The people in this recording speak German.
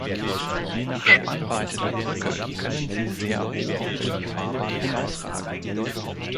Je nach Spannweite der Brücke können sie sehr hoch über die Fahrbahn hinausragen.